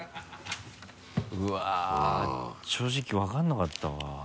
うわっ正直分からなかったわ。